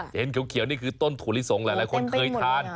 เห็นเขียวนี่คือต้นถั่วลิสงหลายคนเคยทาน